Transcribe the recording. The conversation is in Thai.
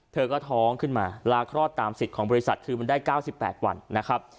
เธอก็ท้องขึ้นมาลาคลอดตามสิทธิ์ของบริษัทคือมันได้๙๘วันนะครับ